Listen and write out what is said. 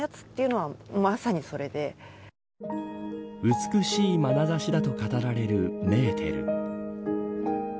美しいまなざしだと語られるメーテル。